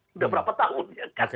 sudah berapa tahun